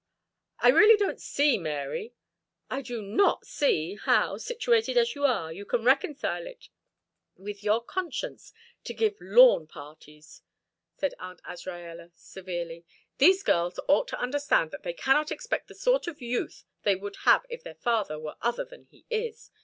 "I really don't see, Mary, I do not see, how, situated as you are, you can reconcile it with your conscience to give lawn parties," said Aunt Azraella, severely. "These girls ought to understand that they cannot expect the sort of youth they would have if their father were other than he is.